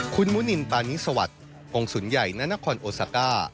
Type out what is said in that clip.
คุณมุนินปานิสวัสดิ์องค์ศูนย์ใหญ่ณนครโอซาก้า